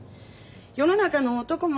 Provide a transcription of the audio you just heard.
世の中の男もね